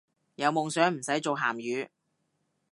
有夢想唔使做鹹魚